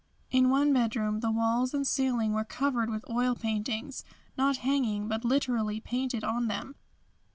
In one bedroom the walls and ceiling were covered with oil paintings, not hanging but literally painted on them.